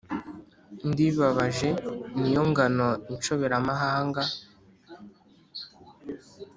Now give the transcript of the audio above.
Ndibabaje, ni yo ngano inshoberamahanga